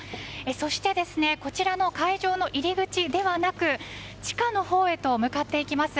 そしてこちらの会場の入り口ではなく地下のほうへと向かっていきます。